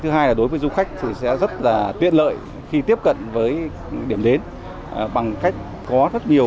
thứ hai là đối với du khách thì sẽ rất là tiện lợi khi tiếp cận với điểm đến bằng cách có rất nhiều